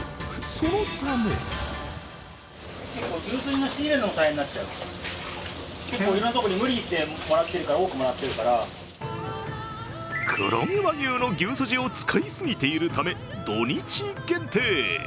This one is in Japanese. そのため黒毛和牛の牛すじを使いすぎているため、土日限定。